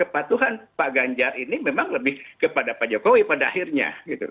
kepatuhan pak ganjar ini memang lebih kepada pak jokowi pada akhirnya